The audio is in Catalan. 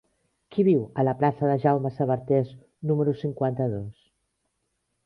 Qui viu a la plaça de Jaume Sabartés número cinquanta-dos?